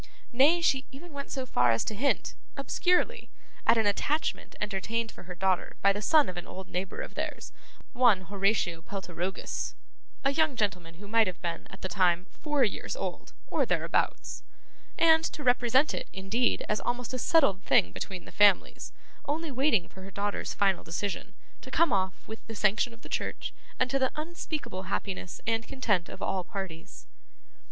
Nay, she even went so far as to hint, obscurely, at an attachment entertained for her daughter by the son of an old neighbour of theirs, one Horatio Peltirogus (a young gentleman who might have been, at that time, four years old, or thereabouts), and to represent it, indeed, as almost a settled thing between the families only waiting for her daughter's final decision, to come off with the sanction of the church, and to the unspeakable happiness and content of all parties.